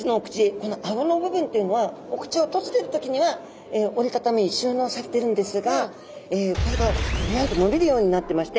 この顎の部分っていうのはお口を閉じている時には折り畳み収納されてるんですがこれがビュンと伸びるようになってまして。